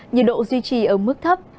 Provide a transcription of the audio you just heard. nhiệt độ duy trì ở mức thấp